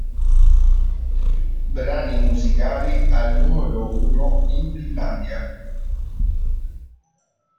Brani musicali al numero uno in Finlandia